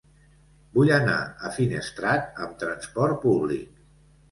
Vull anar a Finestrat amb transport públic.